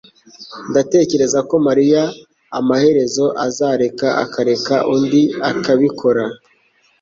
Ndatekereza ko mariya amaherezo azareka akareka undi akabikora